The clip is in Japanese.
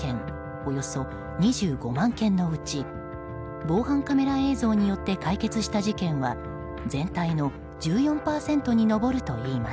およそ２５万件のうち防犯カメラ映像によって解決した事件は全体の１４％に上るといいます。